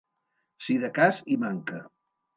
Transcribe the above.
Si de cas hi manca.